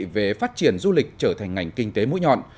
về phát triển du lịch trở thành ngành kinh tế mũi nhọn